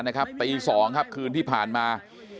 นะครับปี๒ครับคืนที่ผ่านมา